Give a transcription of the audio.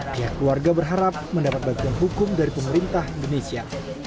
pihak keluarga berharap mendapat bagian hukum dari pemerintah indonesia